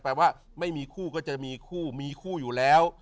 ว่าไม่มีคู่ก็จะมีคู่มีคู่อยู่แล้ว